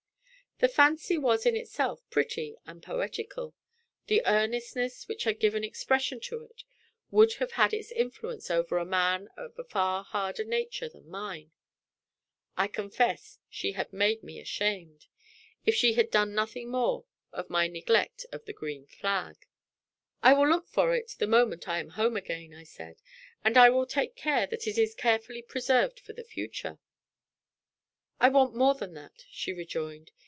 The fancy was in itself pretty and poetical; the earnestness which had given expression to it would have had its influence over a man of a far harder nature than mine. I confess she had made me ashamed, if she had done nothing more, of my neglect of the green flag. "I will look for it the moment I am at home again," I said; "and I will take care that it is carefully preserved for the future." "I want more than that," she rejoined.